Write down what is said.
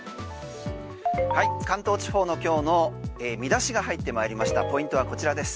関東地方の今日の見出しが入ってまいりましたポイントはこちらです。